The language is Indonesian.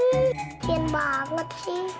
kecil banget sih